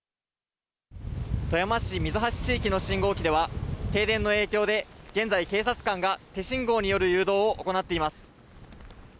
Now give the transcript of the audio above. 富山市水橋地域の信号機では、停電の影響で現在、警察官が手信号による誘導を行っています。